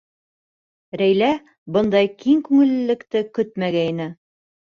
Рәйлә бындай киң күңеллелекте көтмәгәйне.